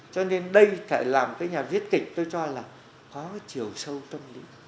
cho nên đây phải làm cái nhà viết kịch tôi cho là có chiều sâu tâm lý